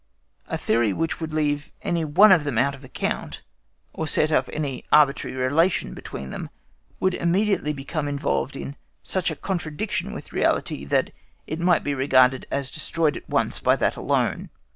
A theory which would leave any one of them out of account, or set up any arbitrary relation between them, would immediately become involved in such a contradiction with the reality, that it might be regarded as destroyed at once by that alone.